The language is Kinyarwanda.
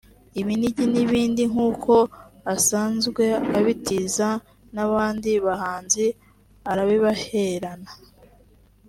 ibinigi n’ibindi nk’uko asanzwe abitiza n’abandi bahanzi arabiherana